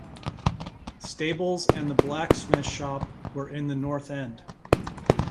Stables and the blacksmith's shop were in the north end.